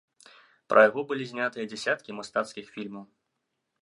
Пра яго былі знятыя дзясяткі мастацкіх фільмаў.